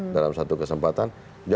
dalam satu kesempatan